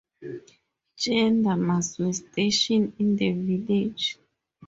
Gendarmes were stationed in the village.